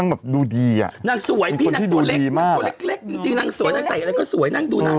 อ้าวคุณแม่โอ๊ย